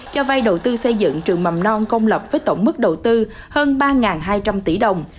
cho vay đầu tư xây dựng trường mầm non công lập với tổng mức đầu tư hơn ba hai trăm linh tỷ đồng